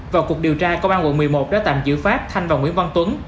vào cuộc điều tra công an quận một mươi một đã tạm giữ phát thanh và nguyễn văn tuấn